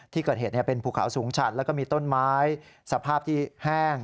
ที่เกิดเหตุเป็นภูเขาสูงฉัดแล้วก็มีต้นไม้สภาพที่แห้ง